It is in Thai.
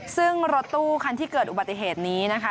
ซึ่งรถตู้คันที่เกิดอุบัติเหตุนี้นะคะ